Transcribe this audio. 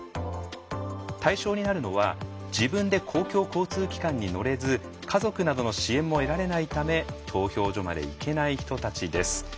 対象になるのは自分で公共交通機関に乗れず家族などの支援も得られないため投票所まで行けない人たちです。